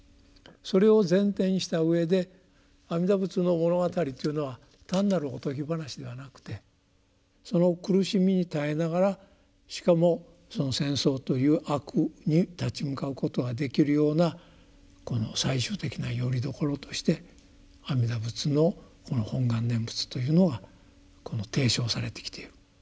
それを前提にしたうえで「阿弥陀仏の物語」というのは単なるおとぎ話ではなくてその苦しみに耐えながらしかもその戦争という悪に立ち向かうことができるようなこの最終的なよりどころとして阿弥陀仏のこの「本願念仏」というのが提唱されてきている。